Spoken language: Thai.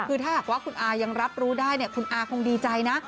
คือถ้าหากว่าคุณอายังรับรู้ได้คุณอาคงดีใจนะ